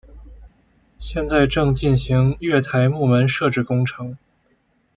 现在正进行月台幕门设置工程。